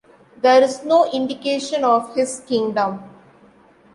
There is no indication of his kingdom.